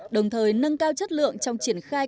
đồng thời nâng cao chất lượng trong triển khai